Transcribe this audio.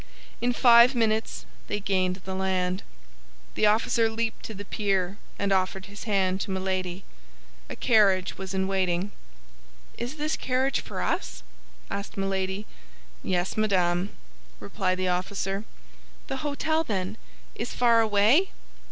In five minutes they gained the land. The officer leaped to the pier, and offered his hand to Milady. A carriage was in waiting. "Is this carriage for us?" asked Milady. "Yes, madame," replied the officer. "The hôtel, then, is far away?"